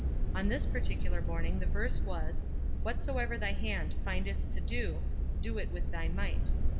On this particular morning the verse was: "Whatsoever thy hand findeth to do, do it with thy might."